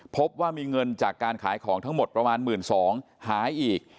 พบว่ามีเงินจากการขายของทั้งหมดประมาณ๑๒๐๐บาทหายอีก